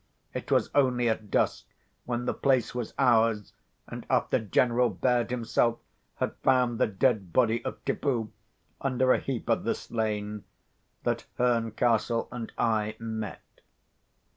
It was only at dusk, when the place was ours, and after General Baird himself had found the dead body of Tippoo under a heap of the slain, that Herncastle and I met.